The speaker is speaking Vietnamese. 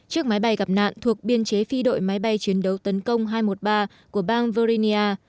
chiếc máy bay gặp nạn thuộc biên chế phi đội máy bay chiến đấu tấn công hai trăm một mươi ba của bang verinia